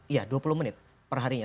iya dua puluh menit perharinya